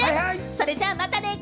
それじゃあ、またね！